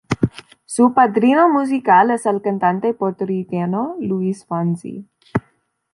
Su padrino musical es el cantante puertorriqueño Luis Fonsi.